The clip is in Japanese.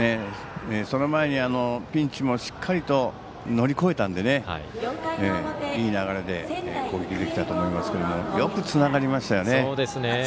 その前に、ピンチもしっかりと乗り越えたのでいい流れで、攻撃できたと思いますけどよくつながりましたよね。